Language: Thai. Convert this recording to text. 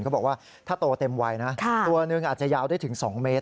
เขาบอกว่าถ้าโตเต็มวัยนะตัวหนึ่งอาจจะยาวได้ถึง๒เมตร